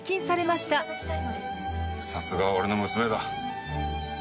さすがは俺の娘だ。